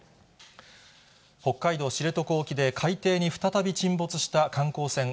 北海道知床沖で、海底に再び沈没した観光船